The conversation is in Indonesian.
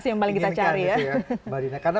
inginkan ya mbak dina karena